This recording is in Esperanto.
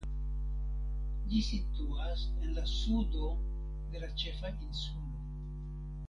Ĝi situas en la sudo de la ĉefa insulo.